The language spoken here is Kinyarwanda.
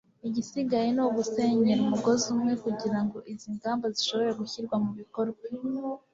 igisigaye, ni ugusenyera umugozi umwe kugirango izi ngamba zishobore gushyirwa mu bikorwa